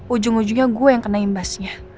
ujung ujungnya gue yang kena imbasnya